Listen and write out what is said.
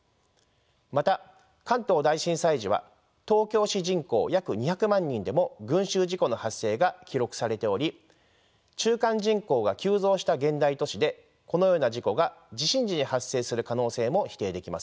また関東大震災時は東京市人口約２００万人でも群集事故の発生が記録されており昼間人口が急増した現代都市でこのような事故が地震時に発生する可能性も否定できません。